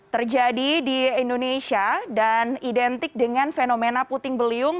terjadi di indonesia dan identik dengan fenomena puting beliung